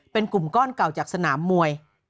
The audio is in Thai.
เป็นกลุ่มก้อนเก่าจากสนามมวย